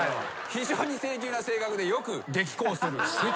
「非常に性急な性格でよく激昂する」